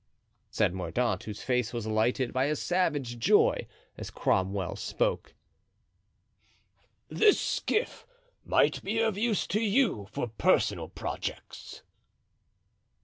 said Mordaunt, whose face was lighted by a savage joy as Cromwell spoke: "This skiff might be of use to you for personal projects."